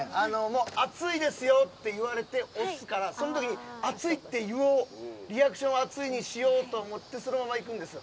熱いですよって言われて押すからその時に、熱いって言おうリアクション熱いにしようってそのまま行くんですよ。